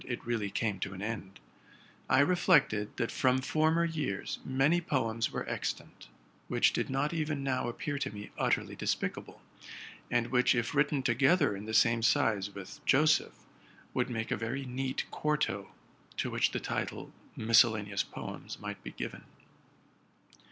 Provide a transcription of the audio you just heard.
it really came to an end, —I reflected, that from former years many poems were extant, which did not even now appear to me utterly despicable, and which, if written together in the same size with '+ Joseph,' would make a very neat quarto, to which the title '' Miscellaneous Poems'' might be given.